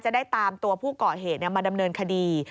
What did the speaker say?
จะได้ตามตัวผู้ก่อเหตุมาดำเนินคดี